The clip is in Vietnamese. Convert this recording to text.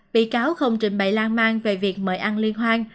bị cáo không trình bày lan man về việc mời ăn liên hoan